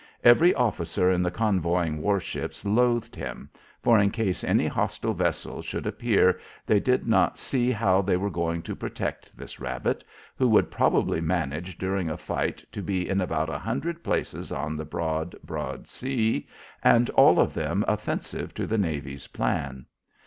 Every officer in the convoying warships loathed him, for in case any hostile vessel should appear they did not see how they were going to protect this rabbit, who would probably manage during a fight to be in about a hundred places on the broad, broad sea, and all of them offensive to the navy's plan.